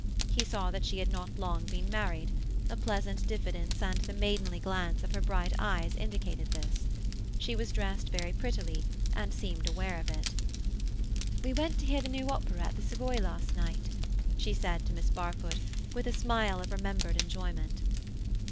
He saw that she had not long been married; a pleasant diffidence and the maidenly glance of her bright eyes indicated this. She was dressed very prettily, and seemed aware of it. "We went to hear the new opera at the Savoy last night," she said to Miss Barfoot, with a smile of remembered enjoyment.